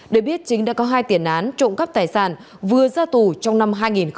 để biết chính đã có hai tiền án trộm cắp tài sản vừa ra tù trong năm hai nghìn hai mươi ba